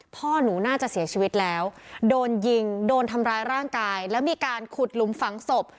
พ่อหนูน่าจะเสียชีวิตแล้วโดนยิงโดนทำร้ายร่างกายแล้วมีการขุดหลุมฝังศพ